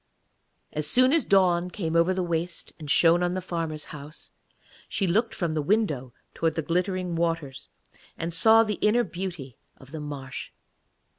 As soon as dawn came over the waste and shone on the farmer's house, she looked from the window towards the glittering waters, and saw the inner beauty of the marsh.